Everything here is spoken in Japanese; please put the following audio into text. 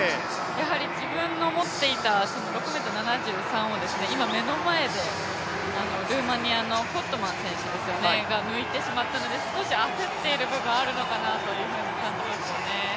自分が持っていた６ｍ７３を今、目の前でルーマニアのコットマン選手が抜いてしまったので少し焦っている部分があるのかなと感じますよね。